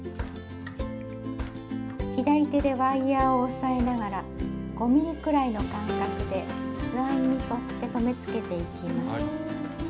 左手でワイヤーを押さえながら５ｍｍくらいの間隔で図案に沿って留めつけていきます。